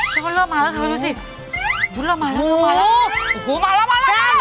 ช่องเริ่มมาแล้วช่องเริ่มมาแล้วโอ้โห